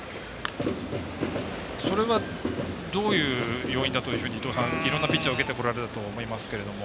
それは、どういう要因だと伊東さん、いろんなピッチャーを受けてこられたと思いますが。